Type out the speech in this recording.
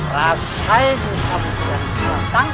rasain kamu yang sedang